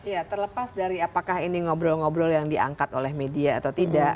ya terlepas dari apakah ini ngobrol ngobrol yang diangkat oleh media atau tidak